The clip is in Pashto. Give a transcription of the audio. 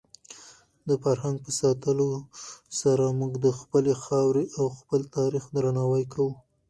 د فرهنګ په ساتلو سره موږ د خپلې خاورې او خپل تاریخ درناوی کوو.